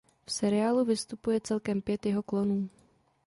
V seriálu vystupuje celkem pět jeho klonů.